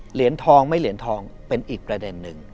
เหรียญทองไม่เหรียญทองเป็นอีกประเด็นหนึ่ง